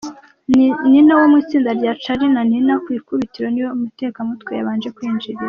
Nina wo mu itsinda rya Charly na Nina ku ikubitiro niwe umutekamutwe yabanje kwinjirira.